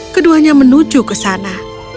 keduanya menuju ke sana